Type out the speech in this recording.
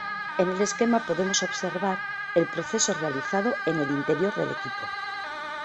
En el esquema podemos observar el proceso realizado en el interior del equipo.